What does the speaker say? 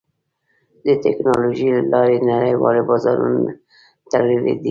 د ټکنالوجۍ له لارې نړیوال بازارونه تړلي دي.